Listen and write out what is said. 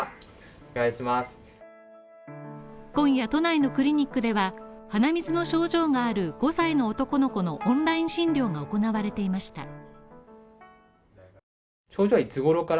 今夜都内のクリニックでは、鼻水の症状がある５歳の男の子のオンライン診療が行われていました。